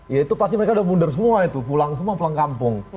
ya itu pasti mereka udah mundur semua itu pulang semua pulang kampung